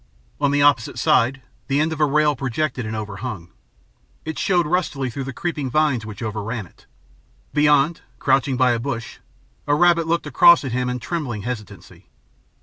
On the opposite side, the end of a rail projected and overhung. It showed rustily through the creeping vines which overran it. Beyond, crouching by a bush, a rabbit looked across at him in trembling hesitancy.